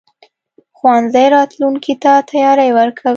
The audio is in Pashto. ښوونځی راتلونکي ته تیاری ورکوي.